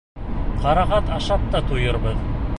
Ҡарағат ашап та туйырбыҙ.